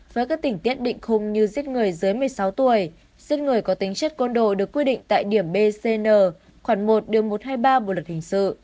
với các tỉnh tiết định khung như giết người dưới một mươi sáu tuổi giết người có tính chất con đồ được quy định tại điểm bcn khoảng một đường một trăm hai mươi ba bộ luật hình sự